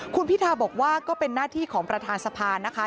คุณพิทาบอกว่าก็เป็นหน้าที่ของประธานสภานะคะ